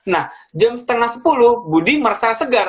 nah jam setengah sepuluh budi merasa segar